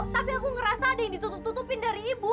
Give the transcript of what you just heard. tapi aku ngerasa ada yang ditutup tutupin dari ibu